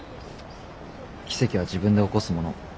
奇跡は自分で起こすもの。